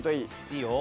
いいよ。